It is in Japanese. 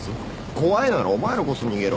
怖いならお前らこそ逃げろ。